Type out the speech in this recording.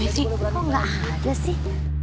enggak ada sih